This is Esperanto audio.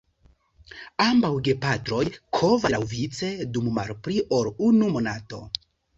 Ambaŭ gepatroj kovas laŭvice dum malpli ol unu monato.